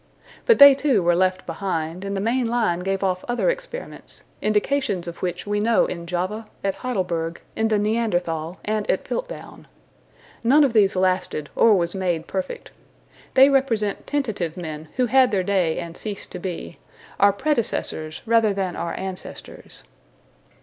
But they too were left behind, and the main line gave off other experiments indications of which we know in Java, at Heidelberg, in the Neanderthal, and at Piltdown. None of these lasted or was made perfect. They represent tentative men who had their day and ceased to be, our predecessors rather than our ancestors.